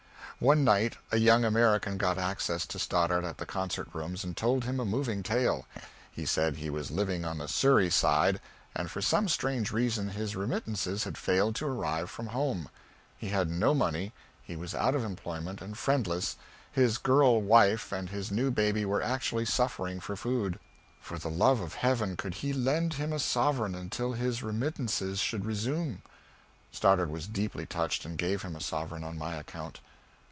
One night a young American got access to Stoddard at the Concert Rooms and told him a moving tale. He said he was living on the Surrey side, and for some strange reason his remittances had failed to arrive from home; he had no money, he was out of employment, and friendless; his girl wife and his new baby were actually suffering for food; for the love of heaven could he lend him a sovereign until his remittances should resume? Stoddard was deeply touched, and gave him a sovereign on my account.